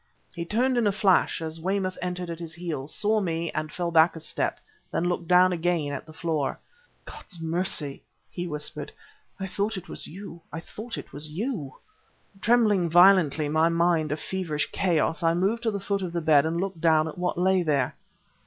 He turned in a flash, as Weymouth entered at his heels, saw me, and fell back a step; then looked again down at the floor. "God's mercy!" he whispered, "I thought it was you I thought it was you!" Trembling violently, my mind a feverish chaos, I moved to the foot of the bed and looked down at what lay there.